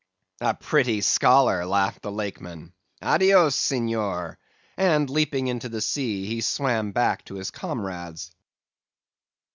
"'A pretty scholar,' laughed the Lakeman. 'Adios, Senor!' and leaping into the sea, he swam back to his comrades.